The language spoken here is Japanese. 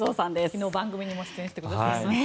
昨日、番組にも出演してくださいました。